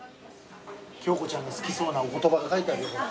京子ちゃんが好きそうなお言葉が書いてあるよほら。